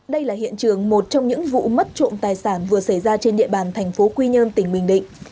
đây là hiện trường một trong những vụ mất trộm tài sản vừa xảy ra trên địa bàn thành phố quy nhơn tỉnh bình định